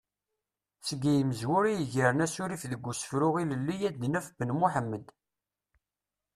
Seg yimezwura i yegren asurif deg usefru ilelli ad naf Ben Muḥemmed.